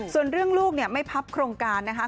ส่วนเรื่องลูกไม่พับโครงการนะคะ